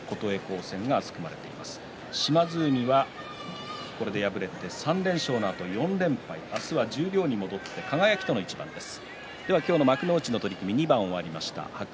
富士島津海は３連勝のあと４連敗明日は十両に戻って輝との対戦です。